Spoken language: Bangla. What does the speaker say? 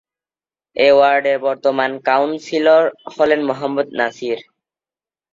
এ ওয়ার্ডের বর্তমান কাউন্সিলর হলেন মোহাম্মদ নাসির।